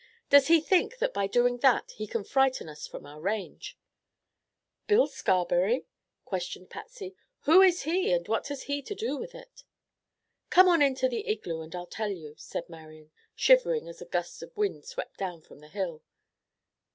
Does he think that by doing that he can frighten us from our range?" "Bill Scarberry?" questioned Patsy, "who is he, and what has he to do with it?" "Come on into the igloo and I'll tell you," said Marian, shivering as a gust of wind swept down from the hill.